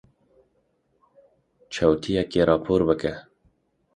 Çewtiyekê rapor bike.